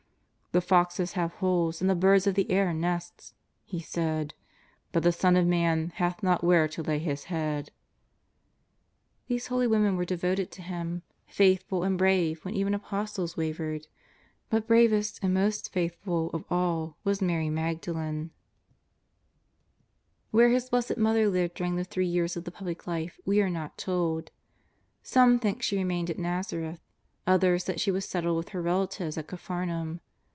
" The foxes have holes and the birds of the air nests," He said, " but the Son ot Man hath not where to lay His head." Tlieso holy women were devoted to Him, faitliful and brave when even Apostles wavered, but bravest and most faithful of all was Mary Magdalen ■s. «'■/■, lij X JESUS OF NAZABETH. 2lT Where His Blessed Mother lived during the three years of the Public Life we are not told; some think she remained at ISTazareth, others that she settled with her relatives at Capharnaum.